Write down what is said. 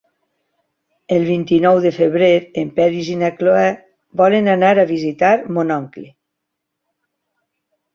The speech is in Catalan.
El vint-i-nou de febrer en Peris i na Cloè volen anar a visitar mon oncle.